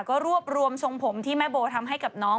ก็รวบรวมทรงผมที่แม่โบทำให้กับน้อง